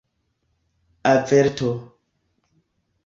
averto